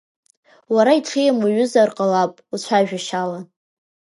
Уара иҽеим уаҩызар ҟалап, уцәажәашьала.